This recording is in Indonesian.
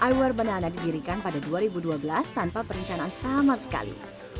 iwer banana didirikan pada dua ribu dua belas tanpa perencanaan sama sekali